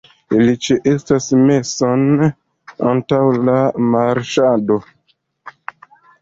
Ili ĉeestas meson antaŭ la marŝado.